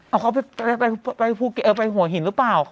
เอาเขาไปหัวหินหรือเปล่า